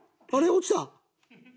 落ちた。